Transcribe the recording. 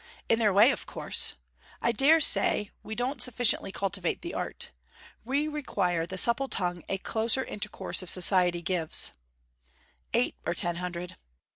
in their way, of course. I dare' say we don't sufficiently cultivate the art. We require the supple tongue a closer intercourse of society gives.' Eight or ten hundred.